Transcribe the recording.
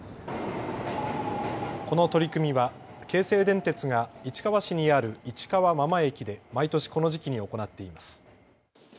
この取り組みは京成電鉄が市川市にある市川真間駅で毎年この時期に行っています。